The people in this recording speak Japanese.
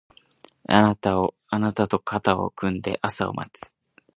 あなたと肩を組んで朝を待つ